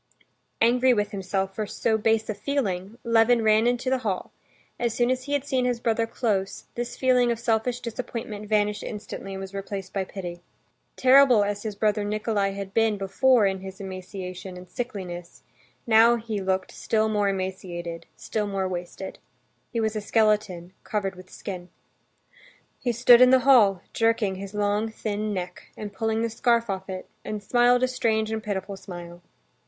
Angry with himself for so base a feeling, Levin ran into the hall; as soon as he had seen his brother close, this feeling of selfish disappointment vanished instantly and was replaced by pity. Terrible as his brother Nikolay had been before in his emaciation and sickliness, now he looked still more emaciated, still more wasted. He was a skeleton covered with skin. He stood in the hall, jerking his long thin neck, and pulling the scarf off it, and smiled a strange and pitiful smile.